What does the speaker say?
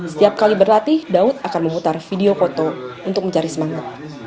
setiap kali berlatih daud akan memutar video foto untuk mencari semangat